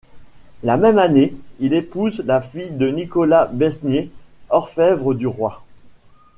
La même année, il épouse la fille de Nicolas Besnier, orfèvre du roi.